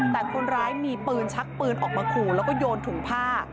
แต่คนร้ายมีปืนชักปืนออกมาขู่แล้วก็โยนถุงผ้า